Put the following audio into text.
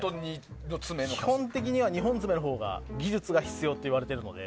基本的には２本爪のほうが技術が必要といわれているので。